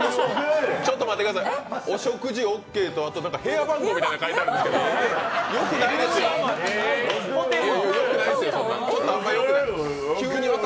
ちょっと待ってください、、御食事オーケーと、あと、部屋番号みたいなの書いてありますけど、よくないでしょ。